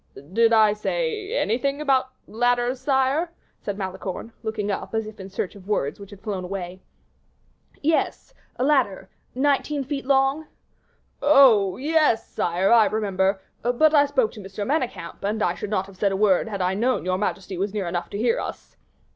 "Did I say anything about ladders, sire?" said Malicorne, looking up, as if in search of words which had flown away. "Yes, of a ladder nineteen feet long." "Oh, yes, sire, I remember; but I spoke to M. Manicamp, and I should not have said a word had I known your majesty was near enough to hear us."